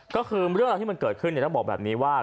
ก็คือเรื่องราวที่มันเกิดขึ้นต้องบอกแบบนี้ว่า